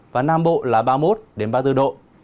và nam bộ là ba mươi một ba mươi bốn độ